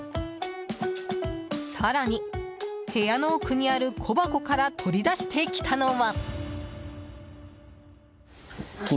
更に、部屋の奥にある小箱から取り出してきたのは。